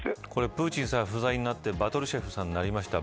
プーチンさん、不在になってパトルシェフさんになりました。